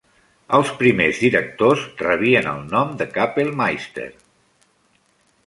Els primers directors rebien el nom de "Kapellmeister".